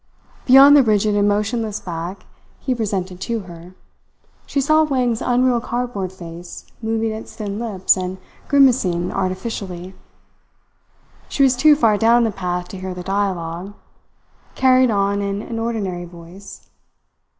Beyond the rigid and motionless back he presented to her, she saw Wang's unreal cardboard face moving its thin lips and grimacing artificially. She was too far down the path to hear the dialogue, carried on in an ordinary voice.